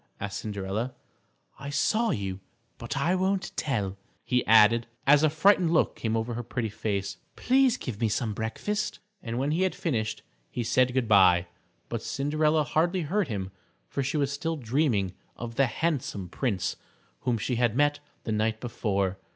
asked Cinderella. "I saw you, but I won't tell," he added, as a frightened look came over her pretty face. "Please give me some breakfast." And when he had finished he said good by, but Cinderella hardly heard him, for she was still dreaming of the handsome prince whom she had met the night before.